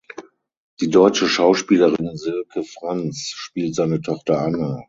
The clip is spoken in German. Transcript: Die deutsche Schauspielerin Silke Franz spielt seine Tochter Anna.